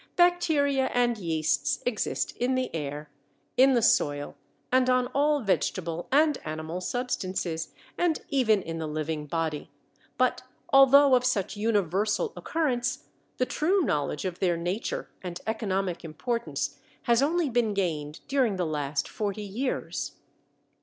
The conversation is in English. Bacteria and yeasts exist in the air, in the soil, and on all vegetable and animal substances, and even in the living body, but although of such universal occurrence, the true knowledge of their nature and economic importance has only been gained during the last forty years.